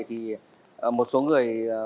thì một số người